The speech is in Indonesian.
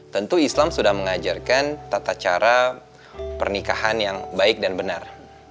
tentu islam sudah mengajarkan tata cara pernikahan yang baik dan benar